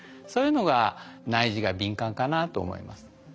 そういうのが内耳が敏感かなと思います。